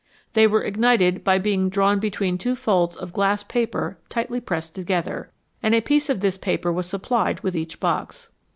They were ignited by being drawn between two folds of glass paper tightly pressed together, and a piece of this paper was supplied with each box.